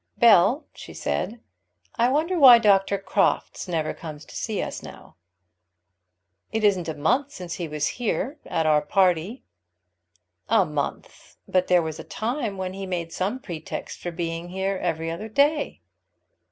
"Bell," she said, "I wonder why Dr. Crofts never comes to see us now?" "It isn't a month since he was here, at our party." "A month! But there was a time when he made some pretext for being here every other day."